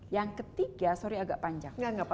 yang ketiga sorry agak panjang